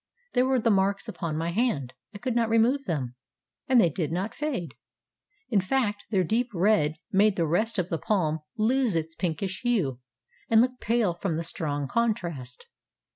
There were the marks upon my hand; I could not remove them, and they did not fade. In fact, their deep red made the rest of the palm lose its pinkish hue and look pale from the strong contrast.